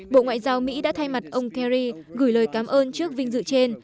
bộ ngoại giao mỹ đã thay mặt ông kerry gửi lời cảm ơn trước vinh dự trên